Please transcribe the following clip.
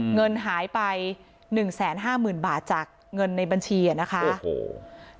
เงินหายไปหนึ่งแสนห้าหมื่นบาทจากเงินในบัญชีอ่ะนะคะโอ้โห